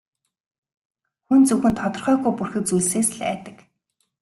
Хүн зөвхөн тодорхойгүй бүрхэг зүйлсээс л айдаг.